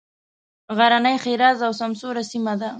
غرنۍ ښېرازه او سمسوره سیمه ده.